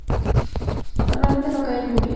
Normalmente no caen lluvias.